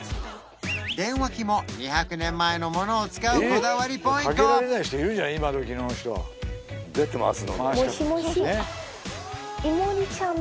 電話機も２００年前のものを使うこだわりポイントかけられない人いるじゃん